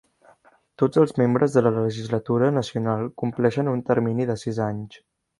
Tots els membres de la legislatura nacional compleixen un termini de sis anys.